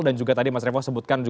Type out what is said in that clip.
dan juga tadi mas revo sebutkan